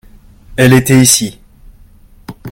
Elle était ici.